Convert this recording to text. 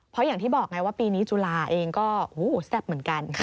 เพราะอย่างที่บอกไงว่าปีนี้จุฬาเองก็แซ่บเหมือนกัน